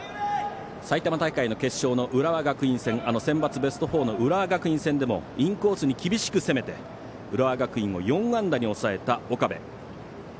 埼玉大会の決勝の浦和学院戦センバツ、ベスト４の浦和学院戦でもインコースに厳しく攻めて浦和学院を４安打に抑えた岡部。